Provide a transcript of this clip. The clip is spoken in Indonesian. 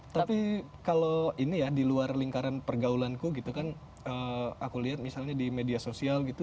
tapi kalau ini ya di luar lingkaran pergaulanku gitu kan aku lihat misalnya di media sosial gitu